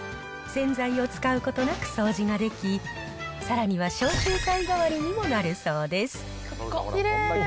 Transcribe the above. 洗剤を使うことなく掃除ができ、さらには消臭剤代わりにもなるそうです。